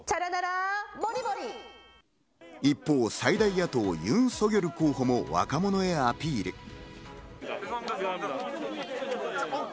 一方、最大野党ユン・ソギョル候補も若者へアピール。